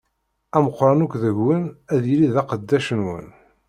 Ameqqran akk deg-wen ad yili d aqeddac-nwen.